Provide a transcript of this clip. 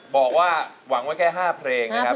บอกว่าหวังว่าแค่๕เพลงนะครับ